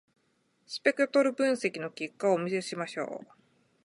スペクトル分析の結果をお見せしましょう。